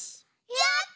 やった！